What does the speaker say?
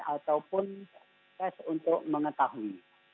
ataupun test untuk mengetahui